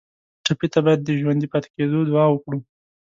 ټپي ته باید د ژوندي پاتې کېدو دعا وکړو.